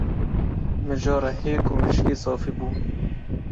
Mijara hêk û mirîşkê safî bû